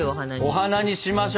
お花にしましょう！